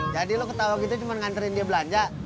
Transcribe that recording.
jadi lo ketawa gitu cuma nganterin dia belanja